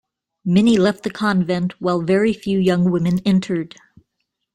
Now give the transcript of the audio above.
Many left the convent while very few young women entered.